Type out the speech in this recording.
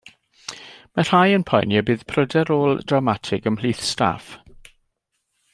Mae rhai yn poeni y bydd pryder ôl-drawmatig ymhlith staff.